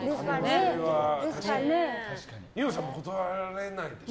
二葉さんも断れないでしょ？